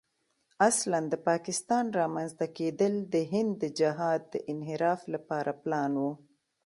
اصلاً د پاکستان رامنځته کېدل د هند د جهاد د انحراف لپاره پلان و.